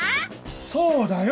そうだよ！